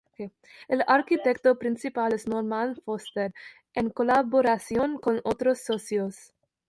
El arquitecto principal es Norman Foster, en colaboración con otros socios.